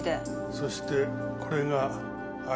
そしてこれが有明。